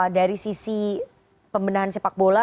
dari sisi pembenahan sepak bola